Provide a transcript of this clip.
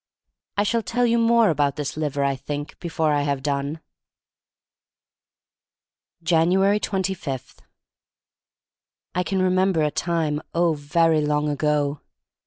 I shall tell you more about this liver, I think, before I have done. 5anuats 25. I CAN remember a time long, oh, very long ago.